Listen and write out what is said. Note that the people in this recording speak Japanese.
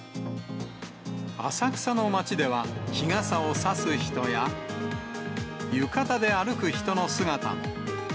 浅草の街では、日傘を差す人や、浴衣で歩く人の姿も。